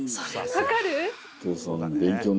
分かる？